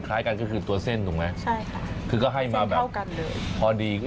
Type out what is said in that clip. คล้ายกันก็คือตัวเส้นถูกไหมคือก็ให้มาแบบพอดี